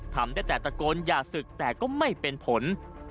ทำได้แต่ตะโกนอย่าศึกแต่ก็ไม่เป็นผล